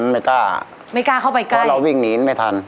ไม่กล้าไม่กล้าเข้าไปกล้าเพราะเราวิ่งหนีไม่ทัน